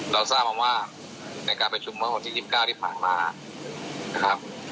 เราทราบมาว่าในการประชุมเมื่อวันที่๒๙ที่ผ่านมานะครับ